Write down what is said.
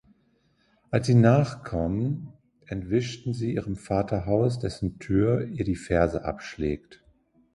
Als sie nachkommen, entwischt sie in ihr Vaterhaus, dessen Tür ihr die Ferse abschlägt.